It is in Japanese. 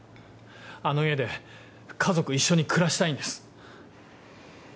あの家で家族一緒に暮らしたいんです。